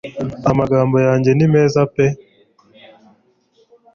amagambo yanjye nimeza peee